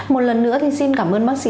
một lần nữa thì xin cảm ơn bác sĩ